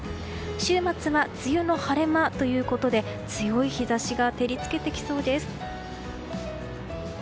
週末は梅雨の晴れ間ということで強い日差しが照りつけてきそうです。